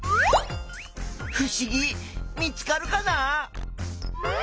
ふしぎ見つかるかな？